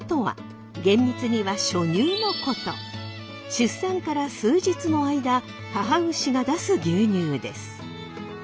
出産から数日の間母牛が出す牛乳です。